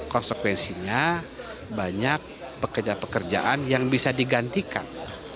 konsekuensinya banyak pekerjaan pekerjaan yang bisa digantikan